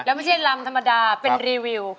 เรามีอีกรัมธรรมดาเป็นรีวิว